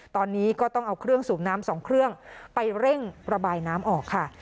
ตอนนี้ก็ต้องเอาเครื่องสูบน้ำ๒เครื่องไปเร่งระบายน้ำออกค่ะ